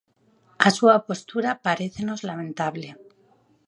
A súa postura parécenos lamentable.